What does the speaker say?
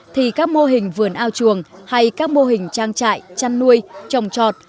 thì các mô hình vườn ao chuồng hay các mô hình trang trại chăn nuôi trồng trọt